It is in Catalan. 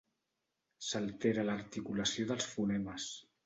S’altera l’articulació dels fonemes.